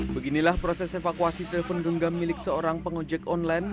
beginilah proses evakuasi telepon genggam milik seorang pengojek online